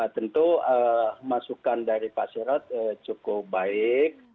tentu masukan dari pak sirot cukup baik